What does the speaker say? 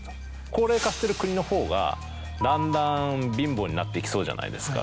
高齢化してる国のほうがだんだん貧乏になっていきそうじゃないですか。